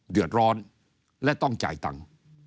เดือดร้อนและต้องจ่ายตังค์